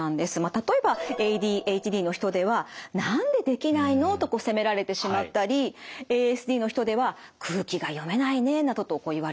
例えばＡＤＨＤの人では「なんでできないの？」と責められてしまったりＡＳＤの人では「空気が読めないね」などと言われてしまったりするわけです。